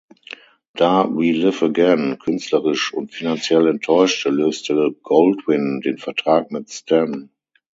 Da "We Live Again" künstlerisch und finanziell enttäuschte, löste Goldwyn den Vertrag mit Sten.